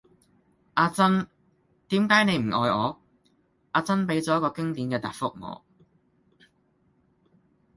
阿珍,點解你唔愛我?阿珍俾咗一個經典既答覆我